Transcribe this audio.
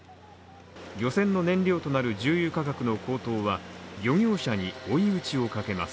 漁船の燃料となる重油価格の高騰は、漁業者に追い打ちをかけます。